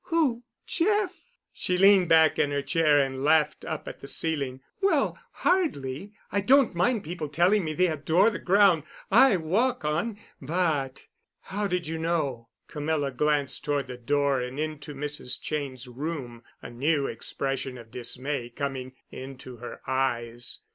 "Who? Jeff?" She leaned back in her chair and laughed up at the ceiling. "Well, hardly. I don't mind people telling me they adore the ground I walk on, but——" "How did you know?" Camilla glanced toward the door and into Mrs. Cheyne's room, a new expression of dismay coming into her eyes.